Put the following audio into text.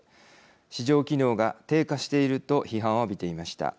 市場機能が低下していると批判を浴びていました。